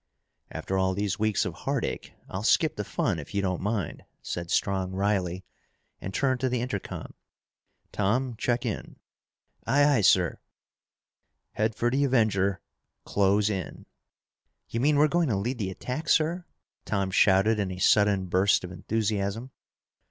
"After all these weeks of heartache, I'll skip the fun if you don't mind," said Strong wryly and turned to the intercom. "Tom, check in!" "Aye, aye, sir!" "Head for the Avenger. Close in!" "You mean we're going to lead the attack, sir?" Tom shouted in a sudden burst of enthusiasm.